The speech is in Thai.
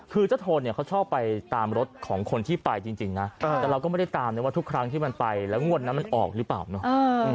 คือเจ้าโทนเนี่ยเขาชอบไปตามรถของคนที่ไปจริงนะแต่เราก็ไม่ได้ตามนะว่าทุกครั้งที่มันไปแล้วงวดนั้นมันออกหรือเปล่าเนาะ